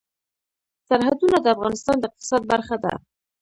سرحدونه د افغانستان د اقتصاد برخه ده.